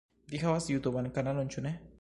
Vi havas jutuban kanalon ĉu ne?